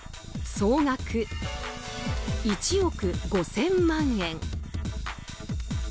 総額１億５０００万円。